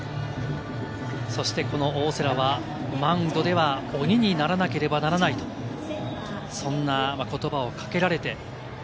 そして大瀬良はマウンドでは鬼にならなければならない、そんな言葉をかけられて。